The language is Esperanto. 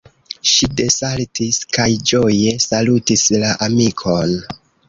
Ŝi desaltis kaj ĝoje salutis la amikon: